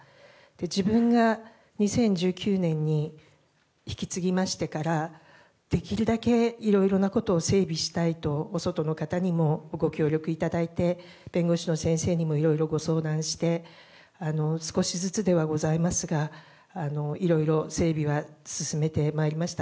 自分が２０１９年に引き継ぎましてからできるだけいろいろなことを整備したいとお外の方にもご協力いただいて弁護士の先生にもいろいろご相談して少しずつではございますがいろいろ整備は進めてまいりました。